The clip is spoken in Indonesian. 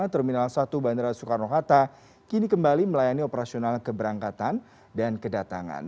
terminal satu bandara soekarno hatta kini kembali melayani operasional keberangkatan dan kedatangan